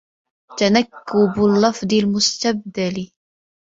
تَنَكُّبُ اللَّفْظِ الْمُسْتَبْذَلِ